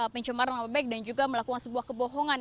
pencemaran nama baik dan juga melakukan sebuah kebohongan